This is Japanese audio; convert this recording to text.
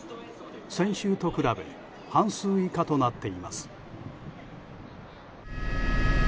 先週と比べ半数以下となっています。